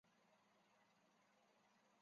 宋诗纪事卷二十四有载。